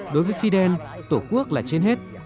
đối với fidel tổ quốc là trên hết